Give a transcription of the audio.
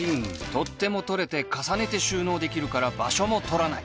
取っ手も取れて重ねて収納できるから場所も取らない！